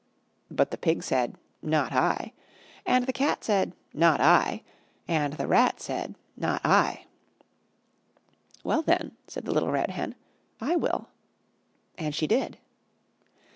But the Pig said, "Not I," and the Cat said, "Not I," and the Rat said, "Not I." "Well, then," said the Little Red Hen, "I will." And she did.